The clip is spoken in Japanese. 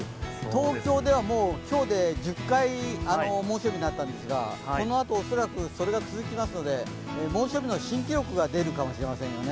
東京ではもう今日で１０回猛暑日になったんですがこのあと恐らくそれが続きますので、猛暑日の新記録が出るかもしれませんよね。